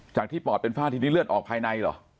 จากที่ปอดเป็นฝ้าทีนี้เลือดออกภายในเหรอ